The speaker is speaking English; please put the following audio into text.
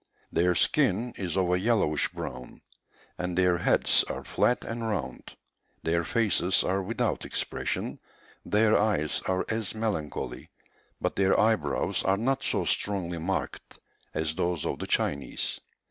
Their skin is of a yellowish brown, and their heads are flat and round; their faces are without expression, their eyes are as melancholy, but their eyebrows are not so strongly marked as those of the Chinese.